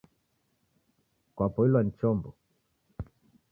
Kwapoilwa ni chombo?